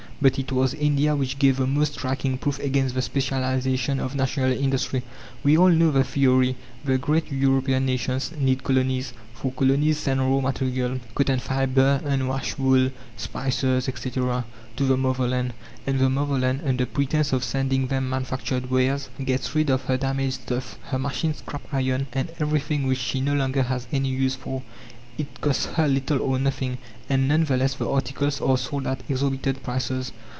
But it was India which gave the most striking proof against the specialization of national industry. We all know the theory: the great European nations need colonies, for colonies send raw material cotton fibre, unwashed wool, spices, etc., to the mother land. And the mother land, under pretense of sending them manufactured wares, gets rid of her damaged stuffs, her machine scrap iron and everything which she no longer has any use for. It costs her little or nothing, and none the less the articles are sold at exorbitant prices.